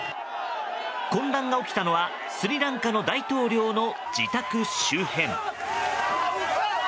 混乱が起きたのはスリランカの大統領の自宅周辺。